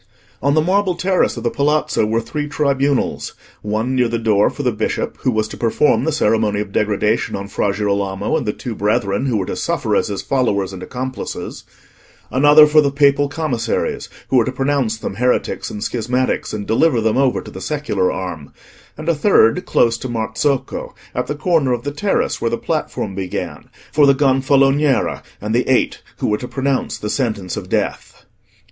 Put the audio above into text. On the marble terrace of the Palazzo were three tribunals; one near the door for the Bishop, who was to perform the ceremony of degradation on Fra Girolamo and the two brethren who were to suffer as his followers and accomplices; another for the Papal Commissaries, who were to pronounce them heretics and schismatics, and deliver them over to the secular arm; and a third, close to Marzocco, at the corner of the terrace where the platform began, for the Gonfaloniere, and the Eight who were to pronounce the sentence of death.